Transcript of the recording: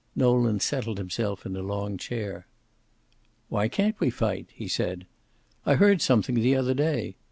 Nolan settled himself in a long chair. "Why can't we fight?" he asked. "I heard something the other day.